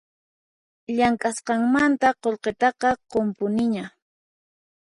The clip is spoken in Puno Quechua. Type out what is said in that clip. Llamk'asqanmanta qullqitaqa qunpuniña